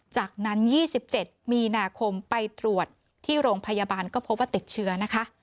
จากนั้น๒๗มีนาคมไปตรวจที่โรงพยาบาลก็พบว่าติดเชื้อนะคะ